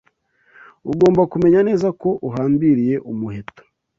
Ugomba kumenya neza ko uhambiriye umuheto.